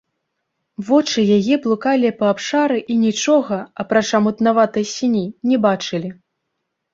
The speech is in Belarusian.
Вочы яе блукалі па абшары і нічога, апрача мутнаватай сіні, не бачылі.